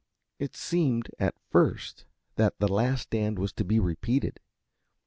It seemed, at first, that "The Last Stand" was to be repeated.